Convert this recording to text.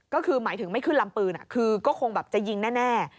ก็คือหมายถึงไม่ขึ้นลำปืนคือก็คงแบบจะยิงแน่